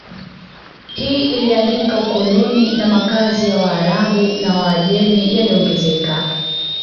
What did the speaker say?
Hii ilialika ukoloni Makazi ya Waarabu na Waajemi yaliongezeka